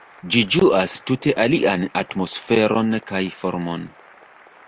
Ĝi ĝuas tute alian atmosferon kaj formon.